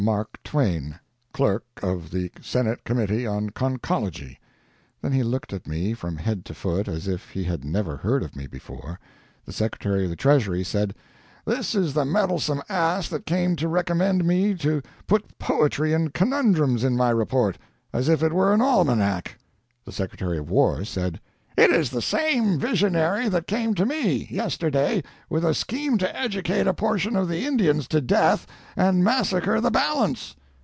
MARK TWAIN, Clerk of the Senate Committee on Conchology." Then he looked at me from head to foot, as if he had never heard of me before. The Secretary of the Treasury said: "This is the meddlesome ass that came to recommend me to put poetry and conundrums in my report, as if it were an almanac." The Secretary of War said: "It is the same visionary that came to me yesterday with a scheme to educate a portion of the Indians to death, and massacre the balance."